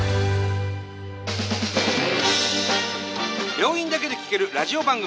病院だけで聴けるラジオ番組。